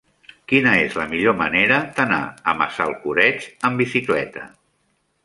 Quina és la millor manera d'anar a Massalcoreig amb bicicleta?